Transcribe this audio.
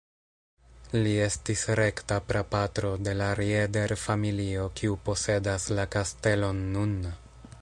Li estis rekta prapatro de la Rieder-familio kiu posedas la kastelon nun.